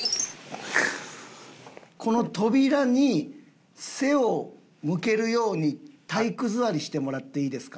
この扉に背を向けるように体育座りしてもらっていいですか？